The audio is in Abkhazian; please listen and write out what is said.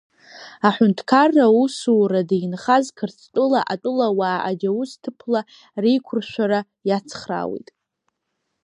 Ахәынҭқарра усурада инхаз Қырҭтәыла атәылауаа аџьаусҭыԥла реқәршәара иацхраауеит.